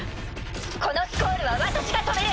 このスコールは私が止める。